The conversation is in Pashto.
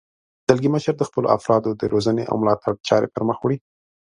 دلګی مشر د خپلو افرادو د روزنې او ملاتړ چارې پرمخ وړي.